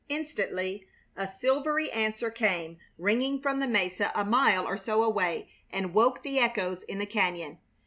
Instantly a silvery answer came ringing from the mesa a mile or so away and woke the echoes in the cañon.